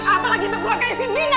apalagi dengan keluarganya si mina